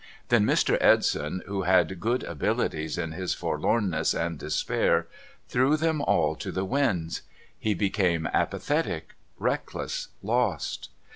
Then Mr. Edson, who had good abilities, in his forlornness and despair, threw them all to the winds. He became apathetic, reckless, lost.